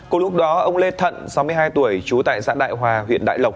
cùng lúc đó ông lê thận sáu mươi hai tuổi trú tại xã đại hòa huyện đại lộc